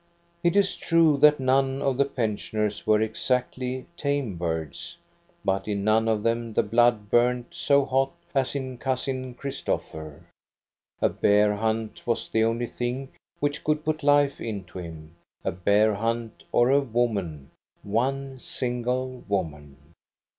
It is true that none of the pensioners were exactly tame birds ; but in none of them the blood burned so hot as in Cousin Christopher. A bear hunt was the only thing which could put life into him, a bear hunt or a woman, one single woman.